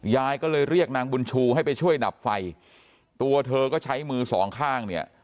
ยายก็เลยเรียกนางบุญชูให้ไปช่วยดับไฟตัวเธอก็ใช้มือสองข้างเนี่ย